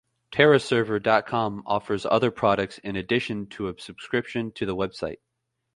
TerraServer dot com offers other products in addition to a subscription to the website.